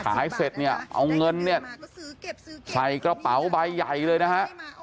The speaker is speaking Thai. เสร็จเนี่ยเอาเงินเนี่ยใส่กระเป๋าใบใหญ่เลยนะฮะ